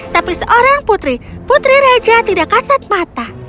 tapi seorang putri putri raja tidak kasat mata